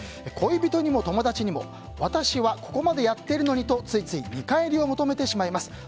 恋人にも友達にも私はここまでやっているのにとついつい見返りを求めてしまいます。